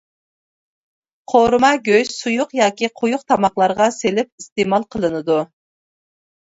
قورۇما گۆش سۇيۇق ياكى قويۇق تاماقلارغا سېلىپ ئىستېمال قىلىنىدۇ.